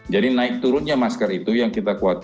jadi naik turunnya masker itu yang kita kuatirkan